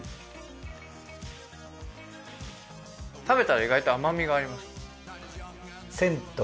食べたら意外と甘みがあります。